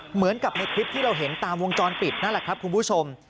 เหมือนกับในคลิปที่เราเห็นตามวงจรปิดนั่นแหละครับคุณผู้ชม